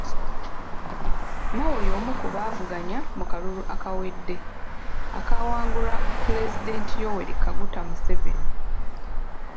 Mao y'omu ku baavuganya mu kalulu akawedde, akaawangulwa Pulezidenti Yoweri Kaguta Museveni.